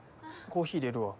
コーヒー入れるわ。